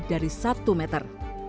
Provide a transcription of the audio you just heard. dari satu meter